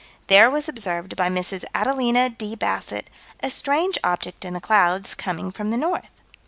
there was observed by Mrs. Adelina D. Bassett, "a strange object in the clouds, coming from the north."